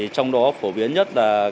trong đó phổ biến nhất là